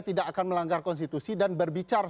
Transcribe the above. tidak akan melanggar konstitusi dan berbicara